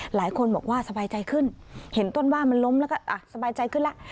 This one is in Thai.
หลายคนบอกว่าสบายใจขึ้นเห็นต้นว่ามันล้มแล้วก็สบายใจขึ้นแล้ว